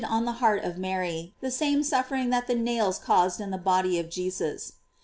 571 on the heart of Mary the same suffering that the nails caused in the body of Jesus.